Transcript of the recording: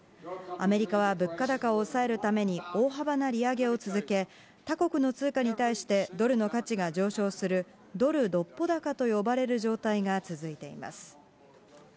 アメリカは物価高を抑えるために大幅な利上げを続け、他国の通貨に対して、ドルの価値が上昇するドル独歩高と呼ばれる状態が続いています。